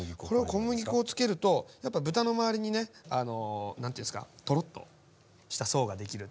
小麦粉を付けるとやっぱ豚の周りにね何ていうんですかトロッとした層ができる。